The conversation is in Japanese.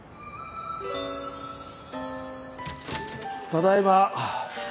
ただいま。